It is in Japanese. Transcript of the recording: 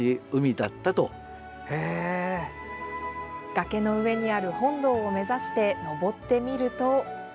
崖の上にある本堂を目指して登ってみると。